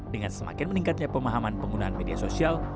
dengan semakin meningkatnya pemahaman penggunaan media sosial